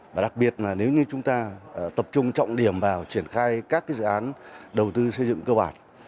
và đặc biệt là nếu như chúng ta tập trung trọng điểm vào triển khai các dự án đầu tư xây dựng cơ bản